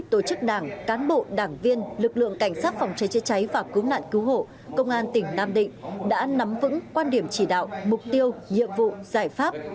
tổ chức đảng cán bộ đảng viên lực lượng cảnh sát phòng cháy chữa cháy và cứu nạn cứu hộ công an tỉnh nam định đã nắm vững quan điểm chỉ đạo mục tiêu nhiệm vụ giải pháp